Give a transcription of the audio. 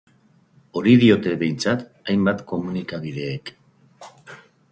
Hori diote behintzat hainbat komunikabidek.